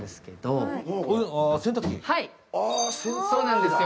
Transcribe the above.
そうなんですよ。